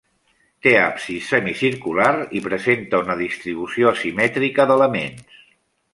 Té absis semicircular i presenta una distribució asimètrica d'elements.